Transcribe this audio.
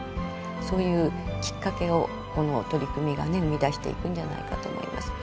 そういうきっかけをこの取り組みがね生み出していくんじゃないかと思います。